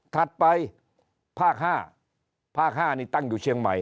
ถัดไปภาค๕ภาค๕นี่ตั้งอยู่เชียงใหม่